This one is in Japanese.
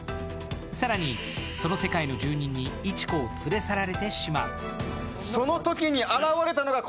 更にその世界の住人に市子を連れ去られてしまう。